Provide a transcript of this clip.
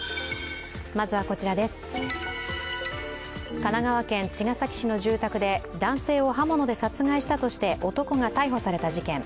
神奈川県茅ヶ崎市の住宅で、男性を刃物で殺害したとして男が逮捕された事件。